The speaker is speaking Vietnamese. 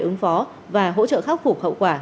ứng phó và hỗ trợ khắc phục hậu quả